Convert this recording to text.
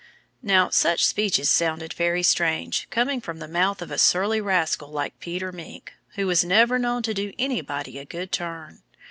Now, such speeches sounded very strange, coming from the mouth of a surly rascal like Peter Mink, who was never known to do anybody a good turn.